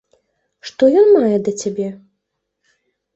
Што ён мае да цябе?